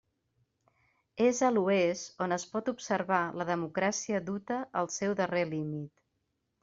És a l'Oest on es pot observar la democràcia duta al seu darrer límit.